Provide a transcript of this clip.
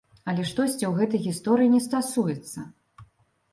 Але штосьці ў гэтай гісторыі не стасуецца.